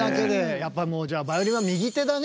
やっぱもうじゃあバイオリンは右手だね